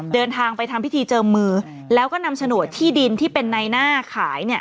เดินทางไปทำพิธีเจิมมือแล้วก็นำโฉนดที่ดินที่เป็นในหน้าขาย